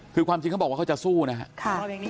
คือความจริงเขาบอกว่าเขาจะสู้นะครับ